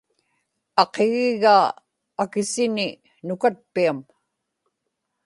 aqigigaa akisini nukatpiam